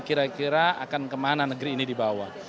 kira kira akan kemana negeri ini dibawa